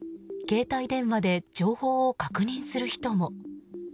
携帯電話で情報を確認する人も。